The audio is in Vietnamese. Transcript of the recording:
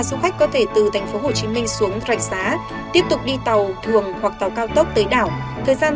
du khách có thể từ tp hcm xuống rạch xá tiếp tục đi tàu thường hoặc tàu cao tốc tới đảo thời gian